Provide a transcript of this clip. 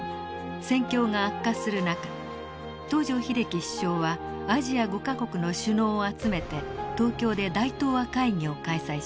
戦況が悪化する中東条英機首相はアジア５か国の首脳を集めて東京で大東亜会議を開催しました。